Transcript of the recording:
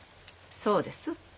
そうです。